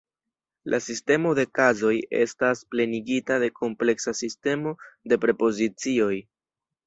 La sistemo de kazoj estas plenigita de kompleksa sistemo de prepozicioj.